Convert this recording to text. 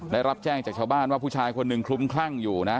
ได้รับแจ้งจากชาวบ้านว่าผู้ชายคนหนึ่งคลุมคลั่งอยู่นะ